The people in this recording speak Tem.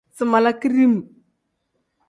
Si mala kidim.